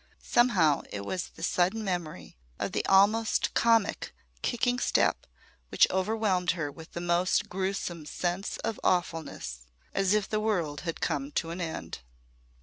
Somehow it was the sudden memory of the almost comic kicking step which overwhelmed her with the most gruesome sense of awfulness as if the world had come to an end.